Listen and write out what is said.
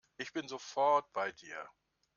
Ich bin sofort bei dir.